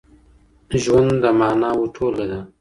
ژوند د ماناوو ټولکه ده.